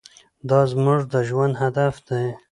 دا زموږ د ژوند هدف دی.